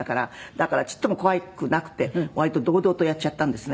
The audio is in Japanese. だからちっとも怖くなくて割と堂々とやっちゃったんですね。